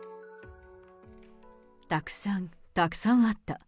たくさん、たくさんあった。